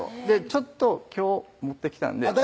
ちょっと今日持ってきたんであっ